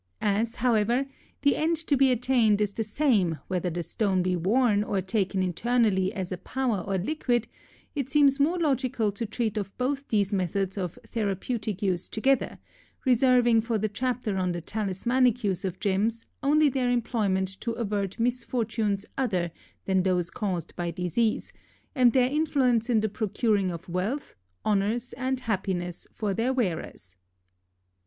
As, however, the end to be attained is the same whether the stone be worn or taken internally as a powder or liquid, it seems more logical to treat of both these methods of therapeutic use together, reserving for the chapter on the talismanic use of gems only their employment to avert misfortunes other than those caused by disease, and their influence in the procuring of wealth, honors, and happiness for their wearers.